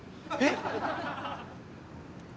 えっ？